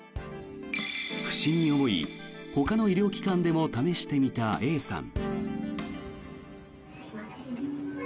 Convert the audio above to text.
不審に思い、ほかの医療機関でも試してみたＡさん。